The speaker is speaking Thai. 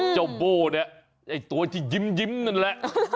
เจ้าโบเนี่ยตัวที่ยิ้มนั่นแหละ